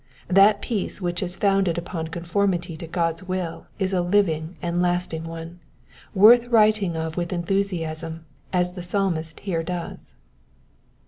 That peace which is founded upon conformity to God's will is a living and lasting one, worth writing ot v^th enthusiasm, aa the Psalmist here does.